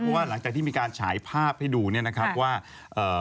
เพราะว่าหลังจากที่มีการฉายภาพให้ดูเนี่ยนะครับว่าเอ่อ